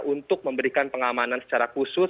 untuk memberikan pengamanan secara khusus